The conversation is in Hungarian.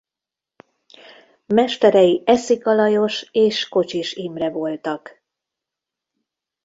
Mesterei Eszik Alajos és Kocsis Imre voltak.